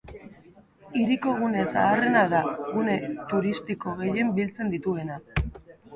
Hiriko gune zaharrena da, gune turistiko gehien biltzen dituena.